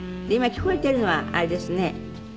で今聞こえてるのはあれですね。